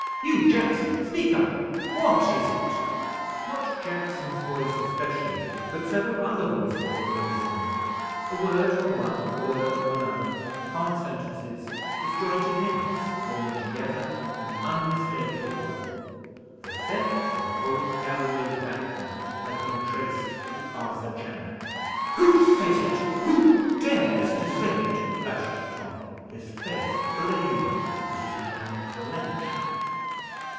"You, Jackson! speak up; what is it?" Not Jackson's voice especially, but several other voices arose then; a word from one, a word from another, half sentences, disjointed hints, forming together an unmistakable whole. "The theft of old Galloway's bank note has been traced to Arthur Channing." "Who says it? Who dares to say it?" flashed Tom, his face flaming, and his hand clenched.